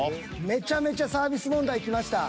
めちゃめちゃサービス問題きました。